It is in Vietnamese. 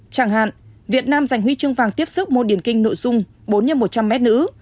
chẳng hạn việt nam giành huy chương vàng tiếp xức môn điển kinh nội dung bốn n một trăm linh mn